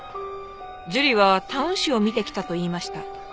樹里はタウン誌を見て来たと言いました。